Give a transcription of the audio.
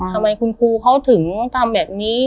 ทำไมคุณครูเขาถึงทำแบบนี้